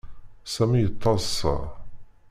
Sami yettaḍsa.